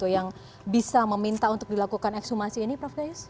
yang bisa meminta untuk dilakukan ekshumasi ini prof gayus